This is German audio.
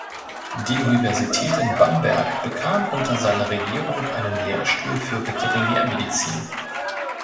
Die Universität in Bamberg bekam unter seiner Regierung einen Lehrstuhl für Veterinärmedizin.